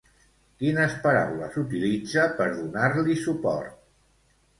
Quines paraules utilitza per donar-li suport?